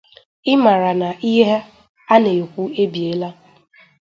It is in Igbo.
ị mara na ihe a na-ekwu ebiela